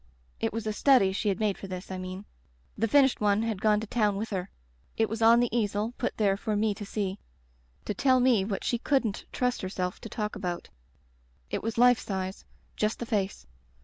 "It was a study she had made for this, I mean. The finished one had gone to town with her. It was on the easel, put there for me to see — ^to tell me what she couldn't trust herself to talk about. It was life size — just the face.